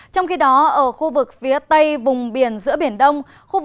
trong khi đó ở khu vực phía tây vùng biển giữa biển đông